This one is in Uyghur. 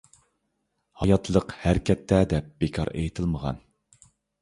«ھاياتلىق ھەرىكەتتە» دەپ بىكار ئېيتىلمىغان.